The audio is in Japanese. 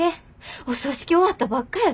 お葬式終わったばっかやで。